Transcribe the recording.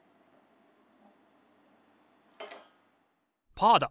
パーだ！